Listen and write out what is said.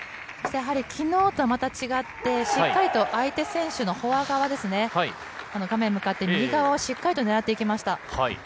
やはり、きのうとはまた違って、しっかりと相手選手のフォア側ですね、画面向かって右側をしっかりと狙っていきました。